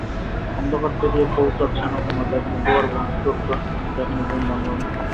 অন্ধকার পেরিয়ে পৌঁচচ্ছে না কেন যেখানে দুয়ার রুদ্ধ, যেখানে ঘুম ভাঙল না?